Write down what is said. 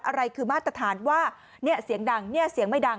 อะไรคือมาตรฐานว่าเสียงดังเสียงไม่ดัง